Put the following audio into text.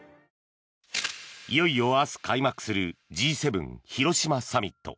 いよいよ明日、開幕するＧ７広島サミット。